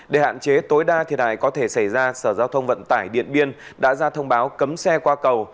để hạn chế tối đa thiệt hại có thể xảy ra sở giao thông vận tải điện biên đã ra thông báo cấm xe qua cầu